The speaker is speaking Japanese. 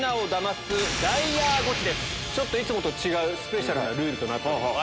いつもと違うスペシャルなルールとなってます。